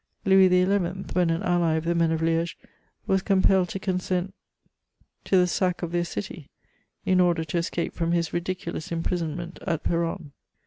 Louis XI., when an ally of the men of Liege, was compelled to consent to the sack of their city, in order to escape from his ridiculous imprisonment at Peronne.